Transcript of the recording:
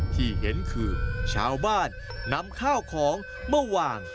ที่เห็นคือชาวบ้านนำข้าวของมาวาง